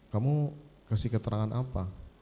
kamu kasih keterangan apa